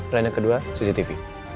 renek kedua cctv